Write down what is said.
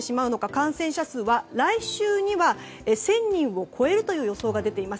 感染者数は来週には１０００人を超えるという予想が出ています。